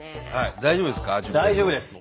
大丈夫ですか？